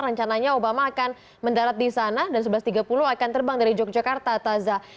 rencananya obama akan mendarat di sana dan sebelas tiga puluh akan terbang dari yogyakarta taza